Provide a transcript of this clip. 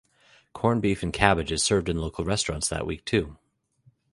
Corned beef and cabbage is served in local restaurants that week too.